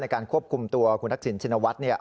การควบคุมตัวคุณทักษิณชินวัฒน์